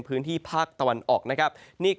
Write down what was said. พื้นที่ภาคตะวันออกนะครับ